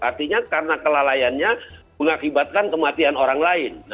artinya karena kelalaiannya mengakibatkan kematian orang lain